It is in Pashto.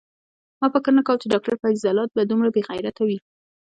ما فکر نه کاوه چی ډاکټر فیض ځلاند به دومره بیغیرته وی